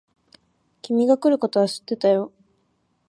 君が来ることは知ってたよ。